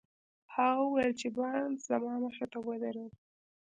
هغه وويل چې بارنس زما مخې ته ودرېد.